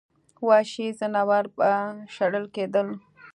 وحشي ځناور به شړل کېدل.